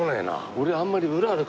俺あんまり。